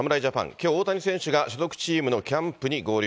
きょう、大谷選手が所属チームのキャンプに合流。